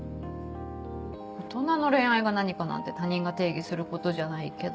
大人の恋愛が何かなんて他人が定義することじゃないけど。